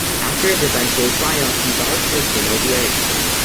After his eventual triumph he vows to make Zenobia his queen.